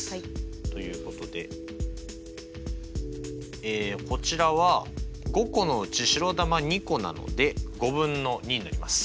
ということでこちらは５個のうち白球２個なので５分の２になります。